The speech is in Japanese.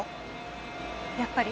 やっぱり。